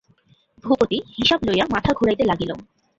ভূপতি হিসাব লইয়া মাথা ঘুরাইতে লাগিল।